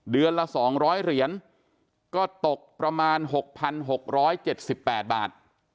เดือนละ๒๐๐เหรียญก็ตกประมาณ๖๖๗๘บาท